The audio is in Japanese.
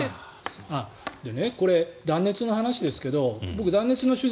これ、断熱の話ですけど僕、断熱の取材